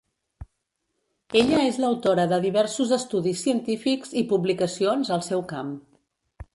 Ella és l"autora de diversos estudis científics i publicacions al seu camp.